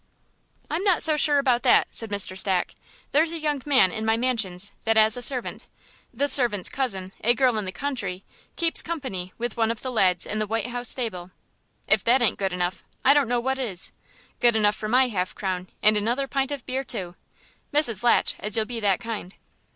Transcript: "I'm not so sure about that," said Mr. Stack. "There's a young man in my mansions that 'as a servant; this servant's cousin, a girl in the country, keeps company with one of the lads in the White House stable. If that ain't good enough, I don't know what is; good enough for my half crown and another pint of beer too, Mrs. Latch, as you'll be that kind."